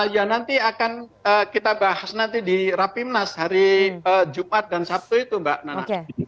ya nanti akan kita bahas nanti di rapimnas hari jumat dan sabtu itu mbak nana